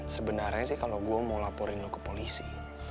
sebenarnya sih kalau gue mau laporin lu ke polisi